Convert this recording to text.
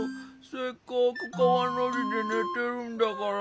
せっかくかわのじでねてるんだから。